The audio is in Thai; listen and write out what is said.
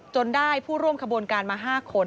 ได้ผู้ร่วมขบวนการมา๕คน